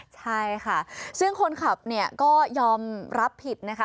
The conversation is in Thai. ใช่ค่ะซึ่งคนขับเนี่ยก็ยอมรับผิดนะคะ